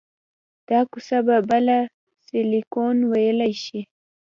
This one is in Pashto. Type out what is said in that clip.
دا کوڅه به بله سیلیکون ویلي شي